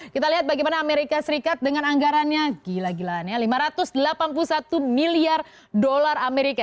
kita lihat bagaimana amerika serikat dengan anggarannya gila gilaan ya lima ratus delapan puluh satu miliar dolar amerika